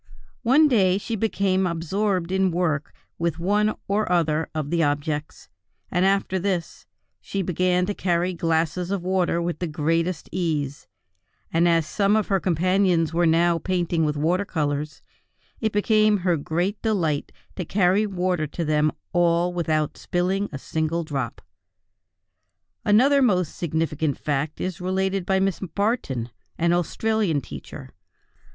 One day she became absorbed in work with one or other of the objects, and after this, she began to carry glasses of water with the greatest ease; and as some of her companions were now painting with water colors, it became her great delight to carry water to them all without spilling a single drop. Another most significant fact is related by Miss Barton, an Australian teacher.